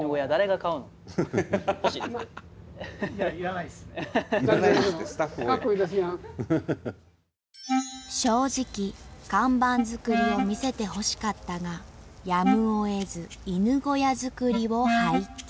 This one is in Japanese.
なんと正直看板作りを見せてほしかったがやむをえず犬小屋作りを拝見。